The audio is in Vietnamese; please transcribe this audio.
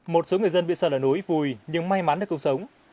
một số người dân bị sạt lở núi vùi nhưng may mắn được cuộc sống